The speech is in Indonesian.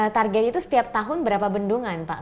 targetnya itu setiap tahun berapa bendungan pak